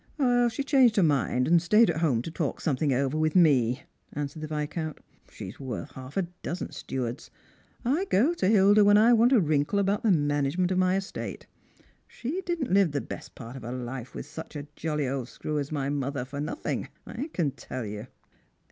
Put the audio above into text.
" She changed her mind, and stayed at home to talk some thing over with me," answered the Viscount. " She's worth half a dozen stewards. I go to Hilda when I want a wrinkle about the managemeat of my estate. She didn't live the best part of her life with such a jolly old screw as my mother fur nothing, I can tell you."